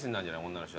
女の人。